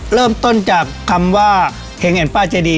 เริ่มต้นจากคำว่าเฮงป้าจะดี